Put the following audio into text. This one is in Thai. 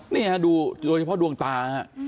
เนี่ยดูเฉพาะดวงตาอะ